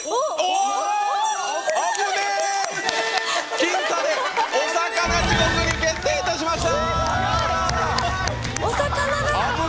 僅差で「おさかな地獄」に決定いたしました！